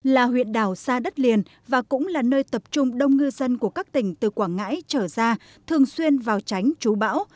là huyện đảo xa đất liền và cũng là nơi tập trung đông ngư dân của các tỉnh từ quảng ngãi trở ra thường xuyên vào tránh trú bão